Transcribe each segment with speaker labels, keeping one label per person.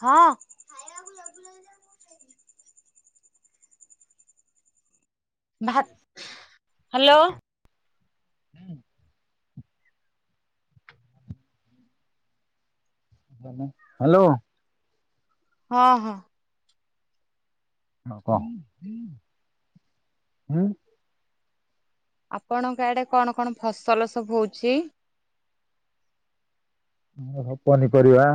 Speaker 1: ହଁ। ଭା hello.
Speaker 2: [inaudible] Hello.
Speaker 1: ହଁ ହଁ।
Speaker 2: [unintelligible]
Speaker 1: ଆପଣଙ୍କ ଆଡେ କଣ କଣ ଫସଲ ସବୁ ହୋଉଛି?
Speaker 2: ଆମର ସବୁ ପନିପରିବା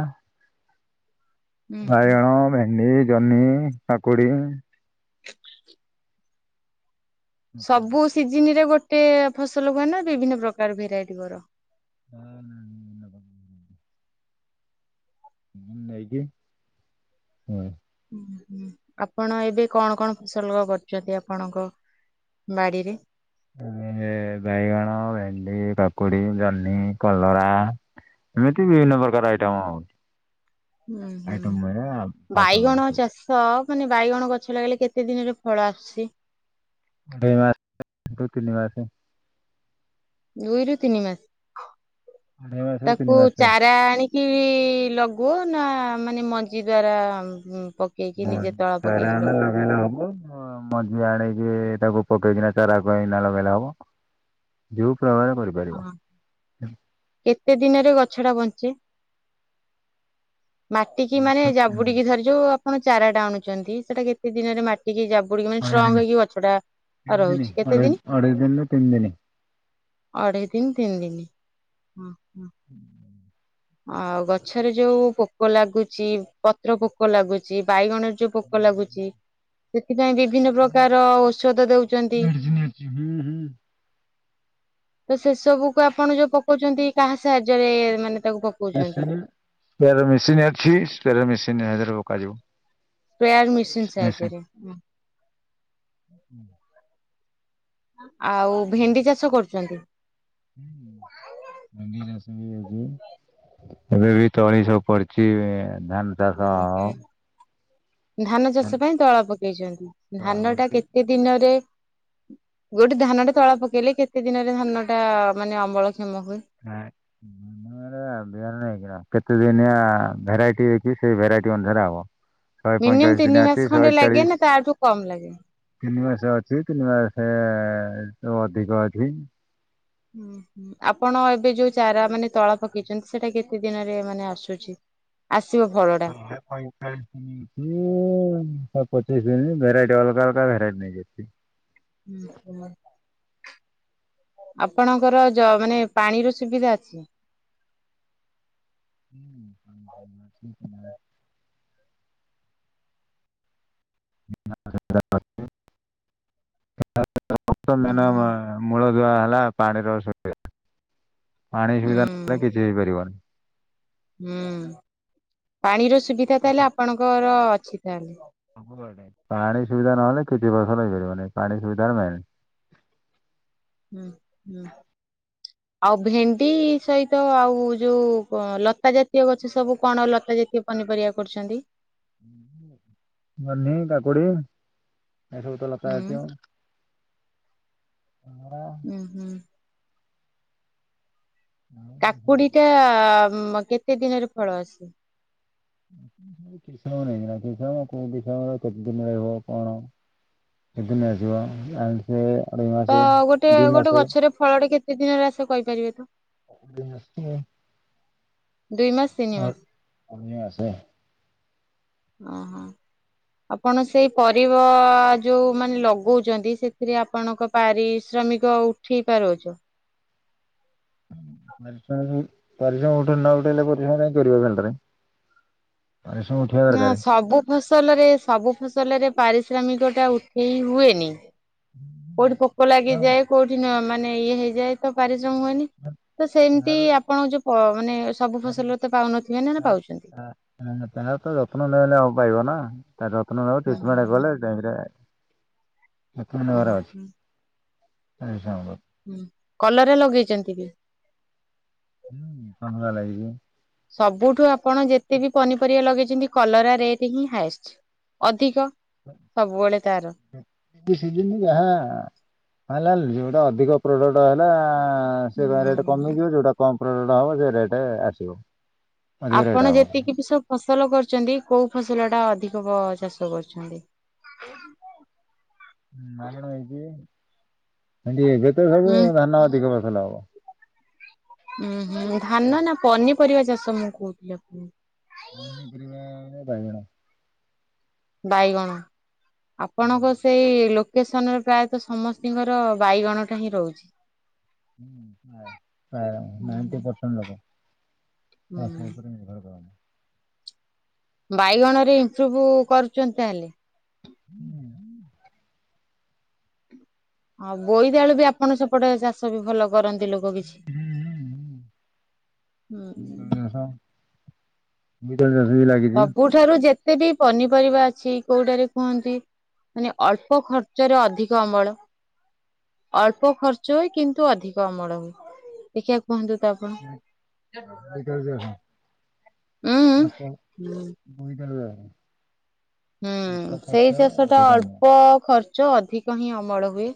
Speaker 1: ହୁଁ ହୁଁ।
Speaker 2: ବାଇଗଣ, ଭେଣ୍ଡି, ଜହ୍ନି, କାକୁଡି।
Speaker 1: ସବୁ ସିଜିନିରେ ଗୋଟେ ଫସଲ ହୁଏ ନା ବିଭିନ୍ନ ପ୍ରକାର ଭେରାଇଟି କର?
Speaker 2: [unintelligible] ହଁ ନେଇକି ହଁ।
Speaker 1: ହଁ ହୁଁ। ଆପଣ ଏବେ କଣ କଣ ଫସଲ କରୁଛନ୍ତି ଆପଣଙ୍କ ବାଡ଼ିରେ?
Speaker 2: ବାଡ଼ିରେ ବାଇଗଣ, ଭେଣ୍ଡି, କାକୁଡି, ଜହ୍ନି, କଲରା ଏମିତି ବିଭିନ୍ନ ପ୍ରକାର ଆଇଟମ [unintelligible]
Speaker 1: ହୁଁ ହୁଁ
Speaker 2: ଆଇଟମ ହୁଏ ଫସଲ
Speaker 1: ବାଇଗଣ
Speaker 2: ସବୁ
Speaker 1: ଚାଷୀ ତ ମାନେ ବାଇଗଣ ଗଛ ଲଗେଇଲେ କେତେ ଦିନରେ ଫଳ ଆସୁଛି?
Speaker 2: ଦୁଇ ମାସେ ରୁ ତିନି ମାସେ।
Speaker 1: ଦୁଇରୁ ତିନି ମାସେ,
Speaker 2: ଅଢେଇ ମାସରୁ ତିନି
Speaker 1: ତାକୁ
Speaker 2: ମାସେ
Speaker 1: ଚାରା ଆଣିକି କି ଲଗୁଅ ନା ମାନେ ମଞ୍ଜି ଦ୍ଵାରା ପ କେଇକି ନିଜେ ତଳପକେଇକି ଲଗଉ?
Speaker 2: [unintelligible] ଅଁ ମଞ୍ଜି ଆଣିକି ତାକୁ ପକେଇକିନା ଚାରାକୁ ଏଇନା ଲଗେଇଲେ ହବ। ଯୋଉ [unintelligible]
Speaker 1: ହଁ। କେତେ ଦିନରେ ଗଛ ଟା ବଞ୍ଚେ? ମାଟି କିି ମାନେ ଜାବୁଡିକି ଧରି ଯୋଉ ଆପଣ ଚାରା ଟା ଆଣୁଛନ୍ତି ସେଟା କେତେ ଦିନରେ ମାଟିକି ଯାବୁ ବୁଡିକି ମାନେ ଷ୍ଟ୍ରଙ୍ଗ ହେଇକି ଗଛ ଟା ରହୁଛି କେତେ ଦିନ
Speaker 2: ଅଢ଼େଇ ଦିନି ରୁ ତିନ ଦିନି।
Speaker 1: ଅଢେଇ ଦିନ ତିନି ଦିନି। ହୁଁ ହୁଁ।
Speaker 2: ହୁଁ [inaudible]
Speaker 1: ଆଉ ଗଛରେ ଯୋଉ ପୋକ ଲାଗୁଚି ପତ୍ର ପୋକ ଲାଗୁଚି ବାଇଗଣରେ ଯୋଉ ପୋକ ଲାଗୁଚି ସେଥିପାଇଁ ବିଭିନ୍ନ ପ୍ରକାର ଓଷଧ ଦଉଚନ୍ତି। ତ ସେ ସବୁକୁ ଆପଣ ଯୋଉ ପକଉଛନ୍ତି କାହା ସାହାଯ୍ୟରେ ମାନେ ତାକୁ ପକଉ
Speaker 2: ମେସିନି। ସ୍ପେର ମେସିନ୍ ଅଛି। Spare machine [unintelligible] ପକାଯିବ।
Speaker 1: ସ୍ପେଆର ମେସିନ୍ ସାହାଯ୍ୟ ରେ
Speaker 2: ହୁଁ [inaudible]
Speaker 1: ଆଉ ଭେଣ୍ଡି ଚାଷ କରୁଛନ୍ତି।
Speaker 2: ହଁ ରି ରସଛି [unintelligible] ଏବେ ବି ତଳି ସବୁ ପଡିଛି ଧାନ ଚାଷ ଆ ଉ
Speaker 1: ଧାନ ଚାଷ ପାଇଁ ତଳା ପକେଇଛନ୍ତି ଧାନ ଟା
Speaker 2: କରୁଛି
Speaker 1: କେତେ ଦିନରେ ଗୋଟେ ଧାନଟା ତଳା ପକେଇଲେ କେତେ ଦିନରେ ଧାନ ଟା ମାନେ ଅମଳ କ୍ଷମ ହୁଏ?
Speaker 2: ହଁ ଆମର ସାତ ନେଇକି କେତେ ଦିନିଆ ଭେରାଇଟି ହେଇଛି ସେଇ ଭେରାଇଟି ଅନୁସାରେ ହେବ। ଶହେ
Speaker 1: ମିନିମମ୍
Speaker 2: ପଇଁଚାଳିଶ
Speaker 1: ତିନି
Speaker 2: ଦିନିଆ
Speaker 1: ମାସ
Speaker 2: ଅଛି
Speaker 1: ଖଣ୍ଡେ
Speaker 2: ଶହେ
Speaker 1: ଲାଗେ ନା
Speaker 2: ଚାଳିଶ।
Speaker 1: ତାଠୁ କମ ଲାଗେ?
Speaker 2: ତିନି ମାସ ଅଛି ତିନି ମାସରୁ ଅଧିକ ଅଛି।
Speaker 1: ହୁଁ ହୁଁ ଆପଣ ଏବେ ଯୋଉ ଚାରା ମାନେ ତଳ ପକେଇଛନ୍ତି। ସେଇଟା କେତେ ଦିନରେ ମାନେ ଆସୁଛି? ଆସିବ ଫଳ ଟା।
Speaker 2: ପଇଞ୍ଚାଳିଶ ଦିନ ପଚିଶ ଦିନ ଭେରାଇଟି ଅଲଗା ଅଲଗା ଭେରାଇ ନେଇକି।
Speaker 1: ହୁଁ ହୁଁ [unintelligible] ଆପଣଙ୍କର ଯ ମାନେ ପାଣିର ସୁବିଧା ଅଛି।
Speaker 2: ହୁଁ ପାଣିର ସୁବିଧା ଅଛି [unintelligible] ମମା
Speaker 1: ଉଁ
Speaker 2: [unintelligible] ମୂଳ ଦୁଆ ହେଲା ପାଣିର ସୁବିଧା ପାଣି ସୁବିଧା
Speaker 1: ହୁଁ
Speaker 2: ନହେଲେ କିଛି ହେଇପାରିବନି।
Speaker 1: ହୁଁ ପାଣିର ସୁବିଧା ତାହେଲେ ଆପଣଙ୍କର ଅଛି ତାହେଲେ।
Speaker 2: ପାଣି ସୁବିଧା ନହେଲେ କିଛି ଫସଲ ହେଇପାରିବନି ପାଣି ସୁବିଧା ହେଲା ମେନ୍।
Speaker 1: ହୁଁ ହୁଁ। ଆଉ ଭେଣ୍ଡି ସହିତ ଆଉ ଯୋଉ ଲତା ଜାତୀୟ ଗଛ ସବୁ କଣ ଲତା ଜାତୀୟ ପନିପରିବା କରୁଛନ୍ତି।
Speaker 2: ଜହ୍ନି, କାକୁଡି ଏସବୁ ତ ଲତା
Speaker 1: ହୁଁ
Speaker 2: ଜାତୀୟ। ଆଉ କଣ?
Speaker 1: ହୁଁ ହୁଁ।
Speaker 2: ହୁଁ।
Speaker 1: କାକୁଡି ଟା ମ କେତେ ଦିନରେ ଫଳ ଆସେ?
Speaker 2: କି ନେଇ କି କ କି ଦିନ ରିବ କଣ [inaudible] ସେଦିନ ଆସିବ ମାସେ ଅଢେଇ
Speaker 1: ତ
Speaker 2: ମାସ
Speaker 1: ଗୋଟେ
Speaker 2: ଦି
Speaker 1: ଗୋଟେ
Speaker 2: ମାସ
Speaker 1: ଗଛରେ ଫଳଟେ କେତେ ଦିନରେ ଆସେ କହିପାରିବେ ତ?
Speaker 2: ଦି ମାସେ।
Speaker 1: ଦୁଇ ମା
Speaker 2: କ ଆସେ।
Speaker 1: ଓହୋ। ଆପଣ ସେଇ ପରିବା ଯୋଉ ମାନେ ଲଗଉଛନ୍ତି ସେଥିରେ ଆପଣଙ୍କ ପାରିଶ୍ରମିକ ଉଠେଇ ପାରୁଛ।
Speaker 2: ପରିଶ୍ରମ ପରିଶ୍ରମ ଉଠ ନ ଉଠେଇଲେ ପରିଶ୍ରମ କାଇଁ କରିବ ଖାଲିଟାରେ। ପରିଶ୍ରମ ହୁଏ
Speaker 1: ନା ସବୁ ଫସଲରେ ସବୁ ଫସଲରେ ପାରିଶ୍ରମିକ ଟା ଉଠେଇ ହୁଏନି। କୋଉଠି ପୋକ ଲାଗିଯାଏ କୋଉଠି ମାନେ ଇଏ ହେଇଯାଏ ତ ପାରିଶ୍ରମ ତ ସେମିତି ଆପଣ ଯୋଉ ପ ମାନେ ସବୁ ଫସଲରେ ତ ପାଉନଥିବେ ନା ନା ପାଉଛନ୍ତି?
Speaker 2: ତା ର ତ ଯତ୍ନ ନେଲେ ଆଉ ପାଇବ ନା ତା ଯତ୍ନ ନେବ ଟ୍ରିଟମେଣ୍ଟ କଲେ। ଟାଇମରେ କେତେ ଦିନ
Speaker 1: ଉଁ
Speaker 2: ଘରେ
Speaker 1: ହୁଁ
Speaker 2: ବସିବ ସେଇଆ।
Speaker 1: କଲରା ଲଗେଇଛନ୍ତି?
Speaker 2: ହୁଁ କଲରା ଲାଗିଛି।
Speaker 1: ସବୁଠୁ ଆପଣ ଯେତେବି ପନିପରିବା ଲଗେଇଛନ୍ତି କଲରା ରେଟ ହିଁ ହାଇଷ୍ଟ ଅଧିକ। ସବୁବେଳେ ତାର।
Speaker 2: ଏଇ ସିଜିନି ଯାହା ଭଲା ଯୋଟା ଅଧିକ ପ୍ରଡକ୍ଟ ହେଲା ସେ ବା ରେଟ
Speaker 1: ହୁଁ।
Speaker 2: କମିଯିବ ଯୋଉଟା କମପ୍ରଡକ୍ଟ ହବ ସେ ରେଟ୍ ଆସିବ। ଅଧିକ ରେଟ୍
Speaker 1: ଆପଣ
Speaker 2: ହବ।
Speaker 1: ଯେତିକି ବି ସବୁ ଫସଲ କରିଚନ୍ତି କୋଉ ଫସଲ ଟା ଅଧିକ ବି ଚାଷ କରୁଚନ୍ତି? [inaudible]
Speaker 2: ମଣ ହେଇଛି ଏଡି ଏବେ ତ ସବୁ
Speaker 1: ଉଁ
Speaker 2: ଧାନ ଅଧିକ ଫସଲ ହବ।
Speaker 1: ଉୁଁ ହୁଁ ଧାନ ନା ପନିପରିବା ଚାଷ ମୁଁ କହୁଥିଲି ଆପଣ
Speaker 2: ଆ ବାଇଗଣ।
Speaker 1: ବାଇଗଣ ଆପଣଙ୍କ ସେଇ ଲୋ କେସନରେ ପ୍ରାୟତଃ ସମସ୍ତଙ୍କର ବାଇଗଣଟା ହିଁ ରହୁଚି।
Speaker 2: ପ୍ରାୟ ନାଇଣ୍ଟି ପରସେଣ୍ଟ ଲୋକ।
Speaker 1: ହୁଁ
Speaker 2: ଚାଷ ଉପରେ ନିର୍ଭର କରନ୍ତି।
Speaker 1: ବାଇଗଣ ରେ ଇମ୍ପ୍ରୁଭ କରୁଚନ୍ତି ତାହେଲେ।
Speaker 2: ହୁଁ
Speaker 1: ହଁ ବୋଇଦି ଆଳୁ ବି ଆପଣ ସେପଟେ ଚାଷ ବି ଭଲ କରନ୍ତି ଲୋକ। ବଗିଛି ହୁଁ।
Speaker 2: [unintelligible] ବି ଦଶ ବି ଲାଗିଛି।
Speaker 1: ଠାରୁ ଯେତେ ବି ପନିପରିବା ଅଛି କୋଉଟାରେ କୁହନ୍ତି ମାନେ ଅଳ୍ପ ଖର୍ଚ୍ଚରେ ଅଧିକ ଅମଳ। ଅଳ୍ପ ଖର୍ଚ୍ଚ ହୁଏ। କିନ୍ତୁ ଅଧିକ ଅମଳ ହୁଏ। ଦେଖିବାକୁ କୁହନ୍ତୁ ତ ଆପଣ?
Speaker 2: ଆ
Speaker 1: ଉଁ ଉଁ।
Speaker 2: ମୁଇ [unintelligible]
Speaker 1: ହୁଁ ସେଇ ଚାଷ ଟା
Speaker 2: ଅମଳ।
Speaker 1: ଅଳ୍ପ ଖର୍ଚ୍ଚ ଅଧିକ ହିଁ ଅମଳ ହୁଏ।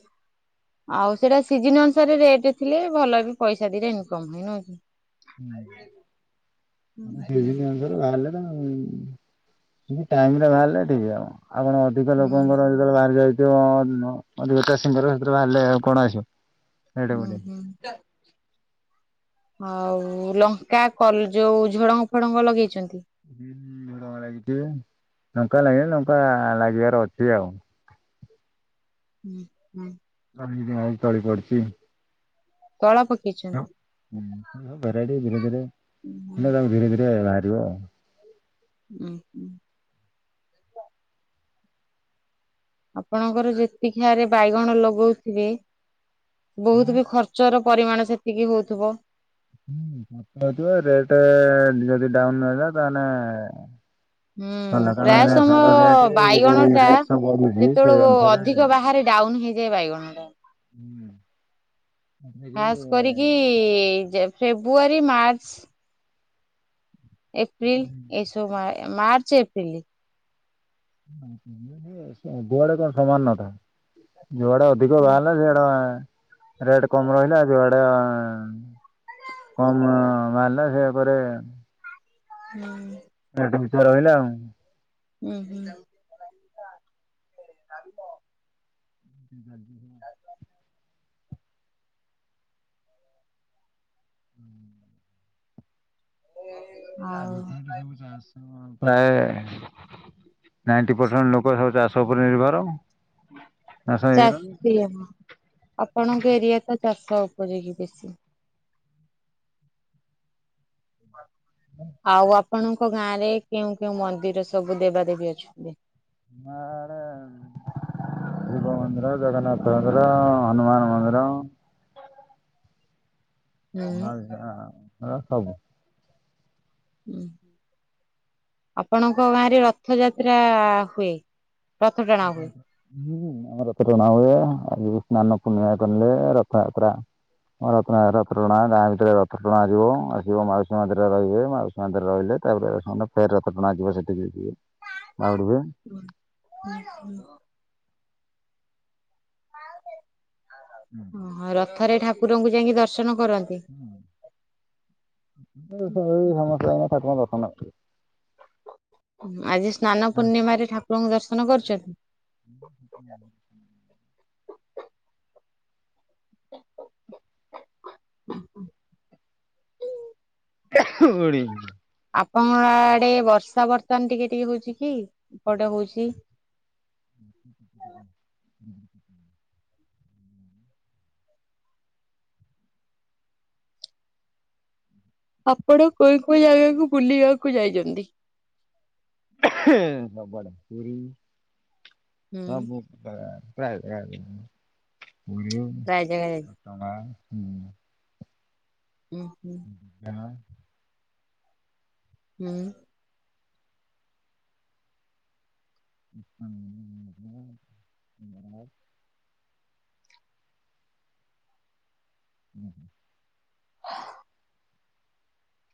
Speaker 1: ଆଉ ସେଇଟା ସିଜିନି ଅନୁସାରେ ରେଟ ଥିଲେ ଭଲ ବି ପଇସା ଦିରେ ଇନକମ ହେଇ ନୁହଁ କି?
Speaker 2: ହଁ [unintelligible] ବା
Speaker 1: ହୁଁ
Speaker 2: ଟାଇମ ରେ ବାହାରିଲେ ଠିକି ହବ। ଆପଣ ଅଧିକ ଲୋକଙ୍କର ସେତେବେଳେ ବାହାରି ଯାଇଥିବ ଅଧିକ ଚାଷୀଙ୍କର ସେତେବେଳେ ବାହାରିଲେ କଣ ଆସିବ? ରେଟ୍
Speaker 1: ହୁଁ,
Speaker 2: ବଢ଼ିଲେ।
Speaker 1: ହୁଁ ଆଉ ଲଙ୍କା କଲ ଯୋଉ ଝୁଡଙ୍ଗ ଫୁଡଙ୍ଗ ଲଗେଇଚ।
Speaker 2: ହୁଁ ଲଙ୍କା ଲାଗିଚି। ଲଙ୍କା ଲାଗିଲ ଲଙ୍କା ଲାଗିବାର ଅଛି ଆଉ।
Speaker 1: ହୁଁ, ହୁଁ
Speaker 2: [unintelligible] ଆଉ ତଳି ପଡଚି।
Speaker 1: ତଳା ପକେଇଚନ୍ତି।
Speaker 2: ହୁଁ ସବୁ ଭେରାଇଟି ଧୀରେ ଧୀରେ
Speaker 1: ହୁଁ
Speaker 2: ତାକୁ ଧୀରେ ଧୀରେ ବାହାରିବ ଆଉ।
Speaker 1: ହୁଁ, ହୁଁ ଆପଣଙ୍କର ଯେତିକିଆରେ ବାଇଗଣ ଲଗଉଥିବେ, ବହୁତ ବି ଖ- - ର୍ଚ୍ଚଚର ପରିମାଣ ସେତିକି ହଉଥିବ।
Speaker 2: ହଁ ହେଥିବ ରେଟ ଯଦି ଡାଉନ ନହଲା ତାହେଲେ- -
Speaker 1: ହୁଁ ପ୍ରାୟ ସମୟ
Speaker 2: ରେଟ୍
Speaker 1: ବାଇଗଣ
Speaker 2: ଯୋଉ
Speaker 1: ଟା
Speaker 2: ରେଟ୍ ସବୁ ବଢୁଛି ସେଇ
Speaker 1: ଯେତେବେଳଳେ
Speaker 2: ଅନୁସାରେ
Speaker 1: ଅଧିକ ବାହାରେ ଡାଉନ ହେଇ ଯାଏ। ବାଇଗଣ ଟା
Speaker 2: ଯେ
Speaker 1: ଖାସ୍ କରିକି ଯେ, ଯେ - - ଫେବୃଆରୀ, ମାର୍ଚ୍ଚ ଏପ୍ରିଲ ଏସବ ମା ମାର୍ଚ୍ଚ, ଏପ୍ରିଲ।
Speaker 2: ଗୁଆଡ କଣ ସମମାନ ନତା। ଯୁଆଡେ ଅଧିକ
Speaker 1: ହୁଁ
Speaker 2: ବାହାରିଲା ସେଆଡା ରେଟ କମ ରହିଲା ଯୁଆଡେ ଏଁ- - କମ ମହାରିଲା ସେ ପରେ
Speaker 1: ହୁଁ
Speaker 2: ଏଠି ବିଚାର ହନା ଆଉ [unintelligible]
Speaker 1: ହୁଁ ହୁଁ ହ ଆ [unintelligible]
Speaker 2: ଗାଜ ହ [unintelligible]
Speaker 1: ଆଉ
Speaker 2: ମିଠ [unintelligible] ଠ ସବୁ ପ୍ରାୟ ନାଇଣ୍ଟି ପରସେଣ୍ଟ ଲୋକ ସବୁ ଚାଷ ଉପରେ ନିର୍ଭର ଚାଷ ହେଇଗଲାଣି।
Speaker 1: ଚାଷୀ ହଁ ଆପଣଙ୍କ ଏରିଆ ତ ଚାଷ ଉପରେ କି ବେଶୀ ଆଉ ଆପଣଙ୍କ ଗାଁ ରେ କେଉଁ କେଉଁ ମନ୍ଦିର ସବୁ ଦେବାଦେବୀ ଅଛନ୍ତି
Speaker 2: ଆମ ଆଡେ ଶିବ ମନ୍ଦିର, ଜଗନ୍ନାଥ ମନ୍ଦିର, ହନୁମାନ ମନ୍ଦିର
Speaker 1: ହୁଁ।
Speaker 2: ଆ ସବୁ
Speaker 1: ହଁ ଆପଣଙ୍କ ଗାଁରେ ରଥଯାତ୍ରା ହୁଏ? ରଥ ଟଣା
Speaker 2: ହ
Speaker 1: ହୁଏ।
Speaker 2: ହ ହୁଁ ଆମ ରଥ ଟଣା ହୁଏ ଆଉ ସ୍ନାନ ପୂର୍ଣ୍ଣିମା କଲେ ରଥଯାତ୍ରା ରଥ ରଥଟଣା ହେବ ଗାଁ ଭିତରେ ରଥଟଣା ଯିବ ଆସିବ ଆସିବ ମାଉସୀ ମିରେ ରହିବେ ମାଉସି ସେରେ ରହିଲେ ତାପରେ ସେମାନେ ଫେର ରଥ ଟଣା ଯିବ ସେଠିକି ବାହୁଡିବେ
Speaker 1: ହ ହ ଓ ରଥରେ ଠାକୁରଙ୍କୁ ଯାଇକି ଦର୍ଶନ କରନ୍ତି?
Speaker 2: ସ ସମସ୍ୟା ଏ ଣ ଦଶନ [unintelligible]
Speaker 1: ଆଜି ସ୍ନାନ ପୂର୍ଣ୍ଣିମାରେ ଠାକୁରଙ୍କୁ ଦର୍ଶନ କରୁଛନ୍ତି?
Speaker 2: ହଁ ହୁ
Speaker 1: [unintelligible]
Speaker 2: ହଳି [unintelligible]
Speaker 1: ଆପଣଙ୍କ ଆଡେ ବର୍ଷା ବର୍ତ୍ତମାନ ଟିକେ ଟିକେ ହଉଛି ଇପଟେ ହଉଛି।
Speaker 2: ଁ [unintelligible]
Speaker 1: ଆପଣ କୋଉ କୋଉ ଜାଗାକୁ ବୁଲିବାକୁ ଯାଇଛନ୍ତି?
Speaker 2: [inaudible] ସବୁଆଡେ ପୁରୀ
Speaker 1: ହୁଁ
Speaker 2: ସବୁ ହ ପ୍ରାୟ ପୁରୀ
Speaker 1: ପ୍ରାୟ ଜାଗା ଯାଇଛି
Speaker 2: ଘଟଗାଁ [unintelligible]
Speaker 1: ହୁଁ ହୁଁ।
Speaker 2: [unintelligible]
Speaker 1: ହୁଁ।
Speaker 2: [unintelligible] [unintelligible]
Speaker 1: [inaudible]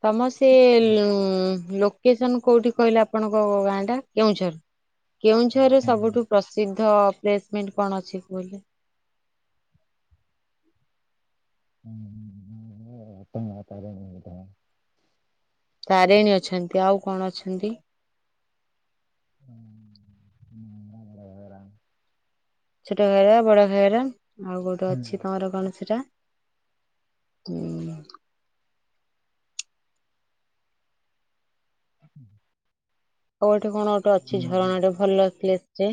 Speaker 1: ତମର ସେ ଲୋକେସନ କୋଉଠି କହିଲେ ଆପଣଙ୍କ ଗାଁ ଟା କେଉଁଝର। କେଉଁଝରରେ ସବୁଠୁ ପ୍ରସିଦ୍ଧ ପ୍ଲେସମେଣ୍ଟ କଣ ଅଛି କୁହିଲେ?
Speaker 2: [unintelligible]
Speaker 1: ତାରିଣୀ ଅଛନ୍ତି। ଆଉ କଣ ଅଛନ୍ତି?
Speaker 2: [inaudible]
Speaker 1: ଛୋଟ ଘାଘରା ବଡ ଘାଘରା ଆଉ ଗୋଟେ ଅଛି ତମର କଣ ସେଟା [inaudible]
Speaker 2: [inaudible]
Speaker 1: ଆଉ ଗୋଟେ କଣ ଗୋଟେ ଅଛି ଝରଣା ଟେ, ଭଲ ପ୍ଲେସ ଯେ।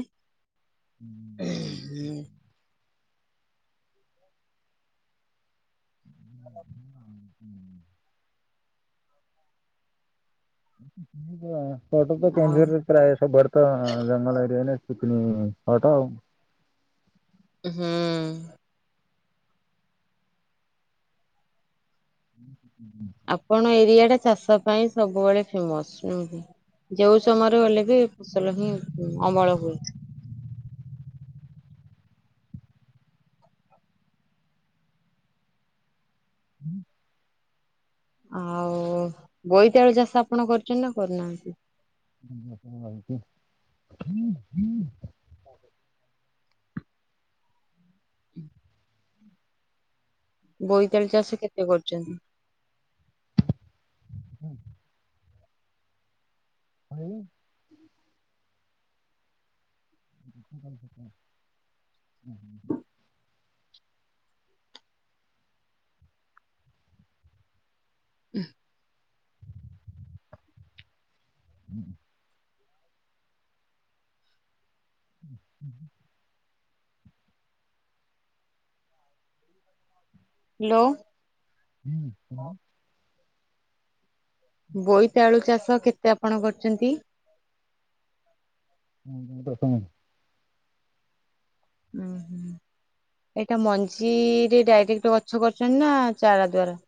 Speaker 2: [inaudible] [unintelligible]
Speaker 1: ଆଉ
Speaker 2: କେଉଁଝରରେ ପ୍ରାୟ ସବୁଆଡେ ତ ଜଙ୍ଗଲ ଏରିଆ, ସୁକିନି ହଟ ଆଉ।
Speaker 1: ଉ ହୁଁ।
Speaker 2: [unintelligible]
Speaker 1: ଆପଣ ଏରିଆ ଟା ଚାଷ ପାଇଁ ସବୁବେଳେ ଫେମସ। ନୁହଁ କି? ଯେଉ ସମୟରେ ଗଲେ ବି, ଫସଲ ହିଁ ଅମଳ ହୁଏ। ଆଉ ବୋଇତେଳୁ ଚାଷ ଆପଣ କରିଛନ୍ତି ନା କରିନାହାନ୍ତି?
Speaker 2: [inaudible]
Speaker 1: ବୋଇତାଳି ଚାଷ କେତେ କରିଛନ୍ତି?
Speaker 2: [inaudible] [inaudible] [inaudible]
Speaker 1: ଇ ହ।
Speaker 2: [inaudible] [inaudible]
Speaker 1: ହ୍ୟାଲୋ।
Speaker 2: [inaudible]
Speaker 1: ବୋଇତାଳୁ ଚାଷ କେତେ ଆପଣ କରିଛନ୍ତି?
Speaker 2: [unintelligible] ପ୍ରଥମେ
Speaker 1: ଉ ହୁଁ। ଏଇଟା ମଞ୍ଜିରେ ଡାଇରେକ୍ଟ ଗଛ କରୁଛନ୍ତି ନା ଚାରା ଦ୍ଵାରା?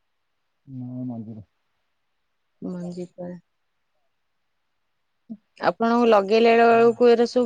Speaker 2: ହଁ ମଞ୍ଜିରେ।
Speaker 1: ମଞ୍ଜି ପା ଆପଣଙ୍କୁ ଲଗେଇଲେ ବ
Speaker 2: ନା ନା
Speaker 1: ବେଳକୁ ଏ